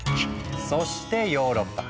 そしてヨーロッパ。